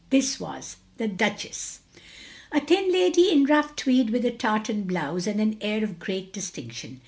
This was the Duchess. A thin lady in rough tweed with a tartan blouse and an air of great distinction.